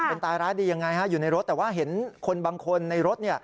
เป็นตายร้ายดียังไงฮะอยู่ในรถแต่ว่าเห็นคนบางคนในรถ